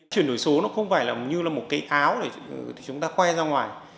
chuyển đổi số nó không phải là như là một cái áo để chúng ta khoe ra ngoài